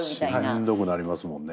しんどくなりますもんね。